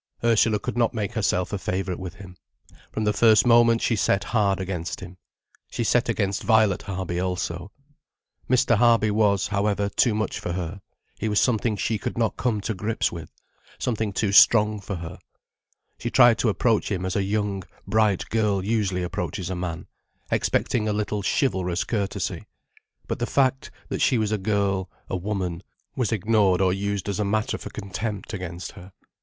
Ursula could not make herself a favourite with him. From the first moment she set hard against him. She set against Violet Harby also. Mr. Harby was, however, too much for her, he was something she could not come to grips with, something too strong for her. She tried to approach him as a young, bright girl usually approaches a man, expecting a little chivalrous courtesy. But the fact that she was a girl, a woman, was ignored or used as a matter for contempt against her.